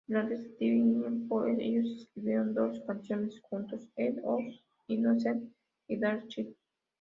Durante este tiempo, ellos escribieron dos canciones juntos; "End of Innocence" y "Dark City".